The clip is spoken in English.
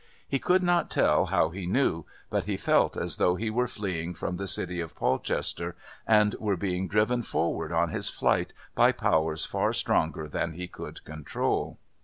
He could not tell how he knew, but he felt as though he were fleeing from the city of Polchester, and were being driven forward on his flight by powers far stronger than he could control.